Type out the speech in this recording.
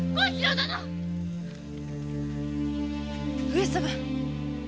上様！